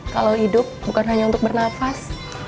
kalau hidup bukan hanya untuk bernafas